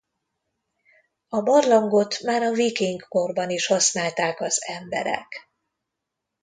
A barlangot már a viking korban is használták az emberek.